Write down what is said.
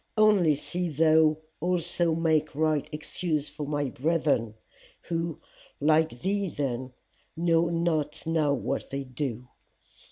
Only see thou also make right excuse for my brethren who, like thee then, know not now what they do.